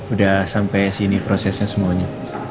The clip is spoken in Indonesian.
udah sampai sini prosesnya semuanya